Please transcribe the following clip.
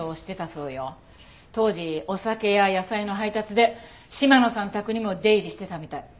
当時お酒や野菜の配達で嶋野さん宅にも出入りしてたみたい。